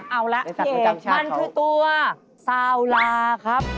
เอาละมันคือตัวซาวราครับ